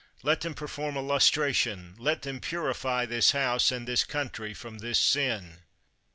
Let them perform a lustration; let them purify this House, and this country, from this sin.